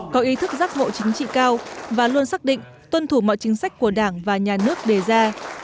có ý thức giác ngộ chính trị cao và luôn xác định tuân thủ mọi chính sách của đảng và nhà nước đề ra